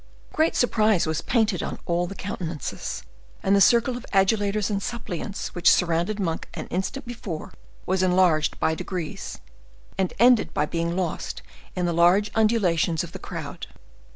Great surprise was painted on all the countenances, and the circle of adulators and suppliants which surrounded Monk an instant before, was enlarged by degrees, and ended by being lost in the large undulations of the crowd.